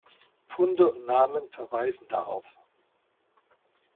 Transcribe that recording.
Funde und Namen verweisen darauf.